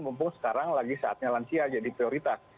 mumpung sekarang lagi saatnya lansia jadi prioritas